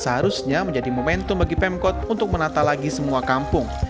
seharusnya menjadi momentum bagi pemkot untuk menata lagi semua kampung